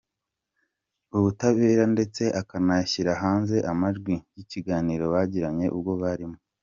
ubutabera ndetse akanashyira hanze amajwi yikiganiro bagiranye ubwo barimo.